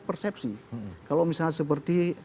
persepsi kalau misalnya seperti